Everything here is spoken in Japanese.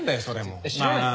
それもう。